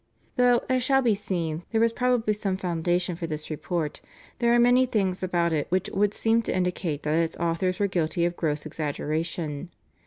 " Though, as shall be seen, there was probably some foundation for this report, there are many things about it which would seem to indicate that its authors were guilty of gross exaggeration.